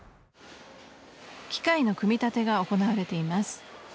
機械の組み立てが行われています。